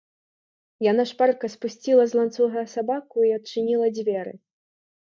Яна шпарка спусціла з ланцуга сабаку і адчыніла дзверы.